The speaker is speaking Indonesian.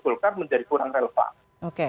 golkar menjadi kurang relevan